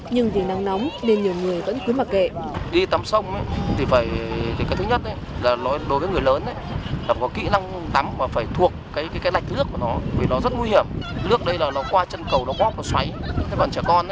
nhưng vì nắng nóng nên nhiều người vẫn khuyến mặc kệ